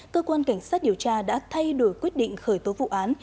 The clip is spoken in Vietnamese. cơ quan cảnh sát điều tra đã thay đổi quyết định khởi tố vụ án